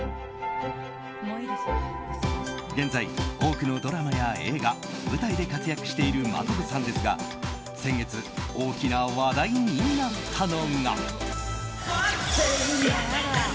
現在、多くのドラマや映画舞台で活躍している真飛さんですが先月、大きな話題になったのが。